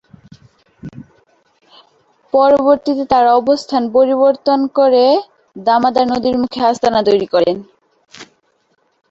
পরবর্তীতে তারা অবস্থান পরিবর্তন করে ধীরে ধীরে পশ্চিমে চলে এসে বর্তমান পিরোজপুরের পার্শ্ববর্তী দামোদর নদীর মুখে আস্তানা তৈরি করেন।